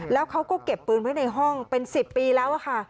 แล้วเขาก็เก็บปืนไว้ในห้องเป็น๑๐ปีแล้วค่ะ